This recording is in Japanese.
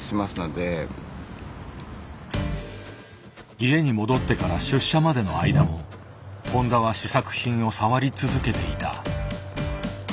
家に戻ってから出社までの間も誉田は試作品を触り続けていた。